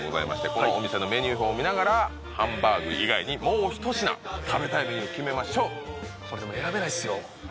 このお店のメニュー表を見ながらハンバーグ以外にもう一品食べたいメニューを決めましょうこれでも選べないっすよ